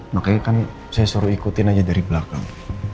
makanya kan saya suruh ikutin aja dari belakang